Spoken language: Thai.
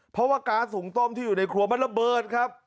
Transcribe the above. เพราะว่าก๊าซหุงต้มที่อยู่ในครัวมันระเบิดครับ